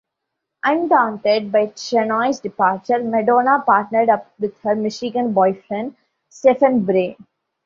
Undaunted by Shenoy's departure, Madonna partnered up with her Michigan boyfriend Stephen Bray.